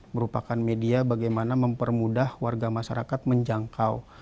merupakan media bagaimana mempermudah warga masyarakat menjangkau